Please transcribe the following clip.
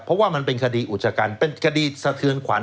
เพราะว่ามันเป็นคดีอุจกรรมเป็นคดีสะเทือนขวัญ